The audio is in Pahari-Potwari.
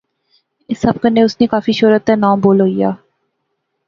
اس سب کنے اس نی کافی شہرت تہ ناں بول ہوئی گیا